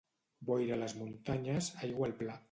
Boira a les muntanyes, aigua al pla.